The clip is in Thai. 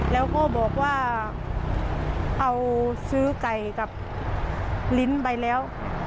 แล้วก็บอกว่าเอาซื้อไก่กับลิ้นไปแล้ว